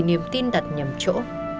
niềm tin đặt nhầm chỗ